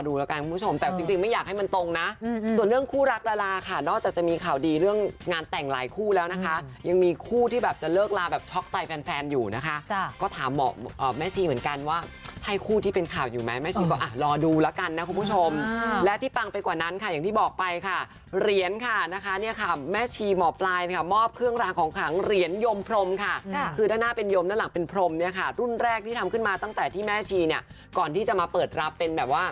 รอดูแล้วกันคุณผู้ชมแต่จริงไม่อยากให้มันตรงนะส่วนเรื่องคู่รักละลาค่ะนอกจากจะมีข่าวดีเรื่องงานแต่งหลายคู่แล้วนะคะยังมีคู่ที่แบบจะเลิกลาแบบช็อกใจแฟนอยู่นะคะก็ถามหมอแม่ชีเหมือนกันว่าให้คู่ที่เป็นข่าวอยู่ไหมไม่รอดูแล้วกันนะคุณผู้ชมและที่ปังไปกว่านั้นค่ะอย่างที่บอกไปค่ะเหรียญค่ะนะคะเนี่ยค่ะแม่